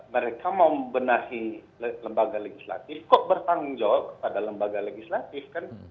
mereka mau membenahi lembaga legislatif kok bertanggung jawab kepada lembaga legislatif kan